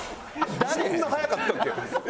そんな速かったっけ？